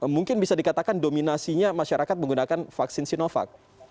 mungkin bisa dikatakan dominasinya masyarakat menggunakan vaksin sinovac